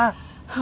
は